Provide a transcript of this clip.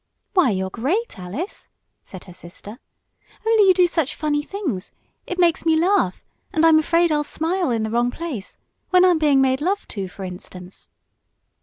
"Why, you're great, Alice!" said her sister. "Only you do such funny things it makes me laugh, and I'm afraid I'll smile in the wrong place when I'm being made love to, for instance."